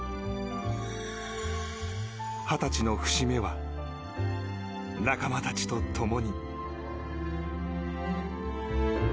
２０歳の節目は仲間たちとともに。